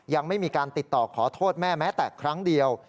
ยังไม่มีการติดต่อขอโทษแม่แม้แต่ครั้งเดียว